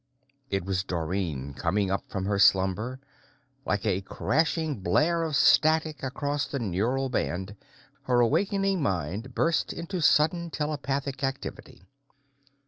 It was Dorrine, coming up from her slumber. Like a crashing blare of static across the neural band, her wakening mind burst into sudden telepathic activity.